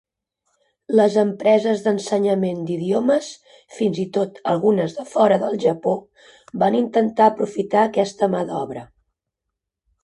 Les empreses d'ensenyament d'idiomes, fins i tot algunes de fora del Japó, van intentar aprofitar aquesta mà d'obra.